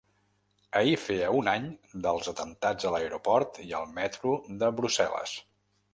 Ahir feia un any dels atemptats a l’aeroport i al metro de Brussel·les.